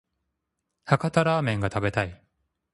博多ラーメンが食べたい